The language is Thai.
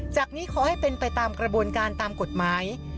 จากนี้ขอให้เป็นไปตามกระบวนการตามกฎหมาย